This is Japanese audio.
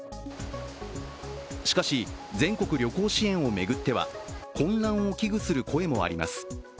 しかし、全国旅行支援を巡っては、混乱を危惧する声もあります。